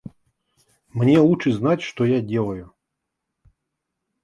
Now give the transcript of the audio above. Мне лучше знать что я делаю.